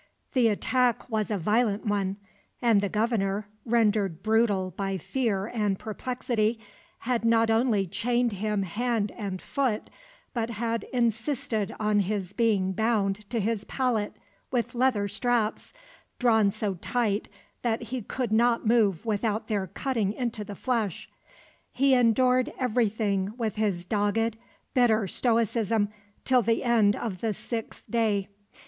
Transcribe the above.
The attack was a violent one, and the Governor, rendered brutal by fear and perplexity, had not only chained him hand and foot, but had insisted on his being bound to his pallet with leather straps, drawn so tight that he could not move without their cutting into the flesh. He endured everything with his dogged, bitter stoicism till the end of the sixth day.